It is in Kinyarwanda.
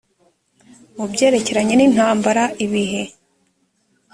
mu byerekeranye n intambara ibihe